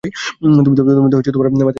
তুমি তো মাতিয়ে দিয়েছো, ভাই।